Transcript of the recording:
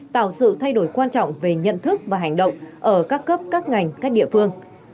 tạo sự thay đổi quan trọng về nhận thức và hành động ở các cấp các ngành các địa phương